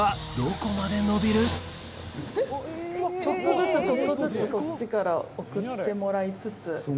ちょっとずつちょっとずつそっちから送ってもらいつつ。